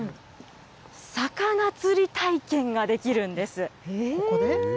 魚釣り体験ができるんです。